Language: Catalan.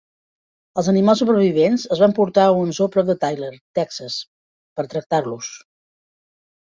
Els animals supervivents es van portar a un zoo prop de Tyler, Texas, per tractar-los.